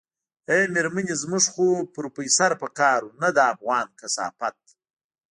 ای مېرمنې زموږ خو پروفيسر په کار و نه دا افغان کثافت.